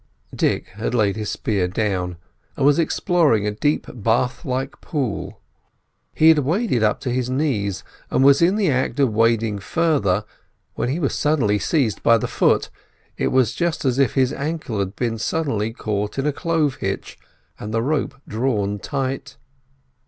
Dick had laid his spear down, and was exploring a deep bath like pool. He had waded up to his knees, and was in the act of wading further when he was suddenly seized by the foot. It was just as if his ankle had been suddenly caught in a clove hitch and the rope drawn tight.